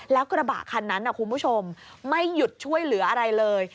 แล้วกระบะคันนั้นคุณผู้ชมไม่หยุดช่วยเหลืออะไรเลย